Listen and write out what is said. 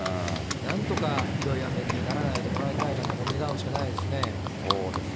なんとか、ひどい雨にならないでもらいたいなと、願うしかないですね。